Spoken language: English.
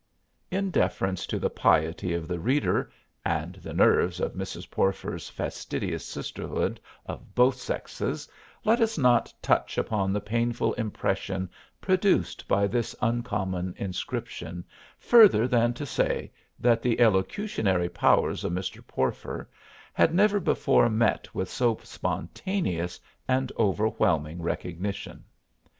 In deference to the piety of the reader and the nerves of Mrs. Porfer's fastidious sisterhood of both sexes let us not touch upon the painful impression produced by this uncommon inscription, further than to say that the elocutionary powers of Mr. Porfer had never before met with so spontaneous and overwhelming recognition.